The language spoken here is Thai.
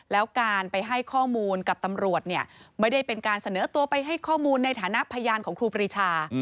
แล้วการไปให้ข้อมูลกับตำรวจเนี่ยไม่ได้เป็นการเสนอตัวไปให้ข้อมูลในฐานะพยานของครูปรีชา